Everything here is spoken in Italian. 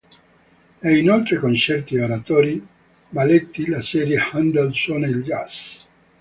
E inoltre concerti e oratori, balletti, la serie "Handel suona il jazz!